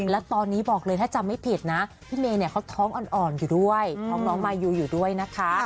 และตอนนี้บอกเลยถ้าจำไม่ผิดนะพี่เมย์เนี่ยเขาท้องอ่อนอยู่ด้วยท้องน้องมายูอยู่ด้วยนะคะ